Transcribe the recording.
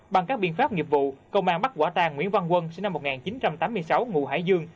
bằng các biện pháp nghiệp vụ công an bắt quả tàng nguyễn văn quân sinh năm một nghìn chín trăm tám mươi sáu ngụ hải dương